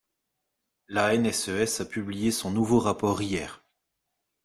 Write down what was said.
L’ANSES a publié son nouveau rapport hier.